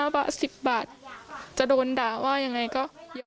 ๕บาท๑๐บาทจะโดนด่าว่ายังไงก็